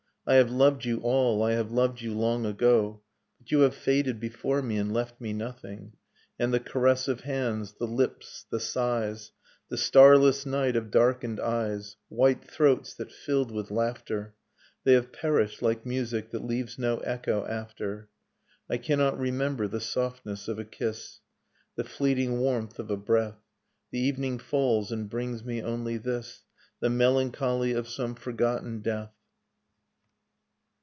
.. I have loved you all, I have loved you long ago. But you have faded before me, and left me nothing, And the caress of hands, the lips, the sighs. The starless night of darkened eyes, White throats that filled with laughter, — They have perished like music that leaves no echo after. .. I cannot remember the softness of a kiss. The fleeting warmth of a breath. The evening falls, and brings me only this, — The melancholy of some forgotten death.